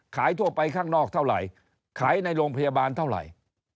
ทั่วไปข้างนอกเท่าไหร่ขายในโรงพยาบาลเท่าไหร่